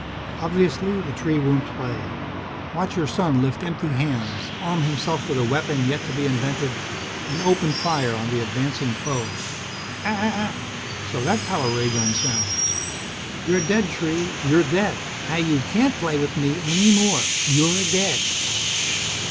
Obviously, the tree won't play. Watch your son lift empty hands, arm himself with a weapon yet to be invented, and open fire on the advancing foe. "Aa aa aa!" So that's how a ray gun sounds! "You're dead, tree! You're dead! Now you can't play with me any more. You're dead!"